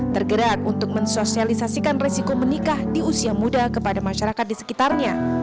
tergerak untuk mensosialisasikan resiko menikah di usia muda kepada masyarakat di sekitarnya